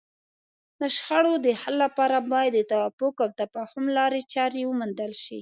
د شخړو د حل لپاره باید د توافق او تفاهم لارې چارې وموندل شي.